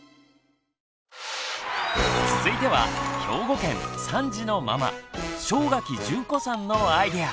続いては兵庫県３児のママ正垣淳子さんのアイデア！